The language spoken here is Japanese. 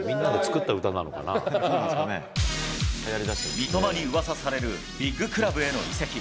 三笘にうわさされる、ビッグクラブへの移籍。